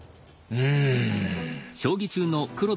うん。